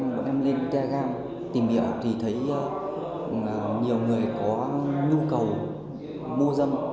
bọn em lên telegram tìm hiểu thì thấy nhiều người có nhu cầu mô dâm